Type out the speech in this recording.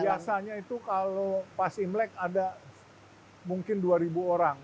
biasanya itu kalau pas imlek ada mungkin dua orang